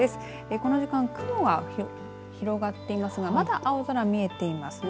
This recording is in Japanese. この時間、雲が広がっていますがまだ青空見えていますね。